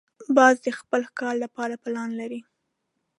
باز د خپل ښکار لپاره پلان لري